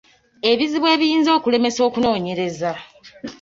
Ebizibu ebiyinza okulemesa okunoonyereza